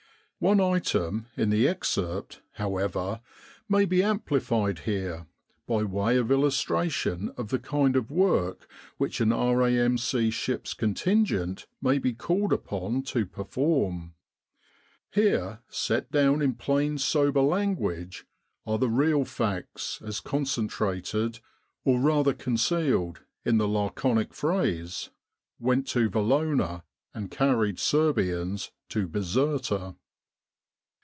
One item in, the excerpt, however, may be amplified here, by way of illustration of the kind of work which an R.A.M.C. ship's contingent may be called upon to perform. Here set down in plain sober language are the real facts as concentrated, or rather concealed, in the laconic phrase "went to Valona and carried Serbians to Bizerta."